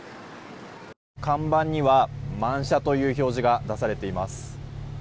看板には満車という表示が出されています。